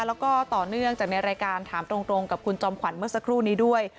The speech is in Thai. แล้วก็ต่อเนื่องจากในรายการถามตรงกับคุณจอมขวัญเมื่อสักครู่นี้ด้วย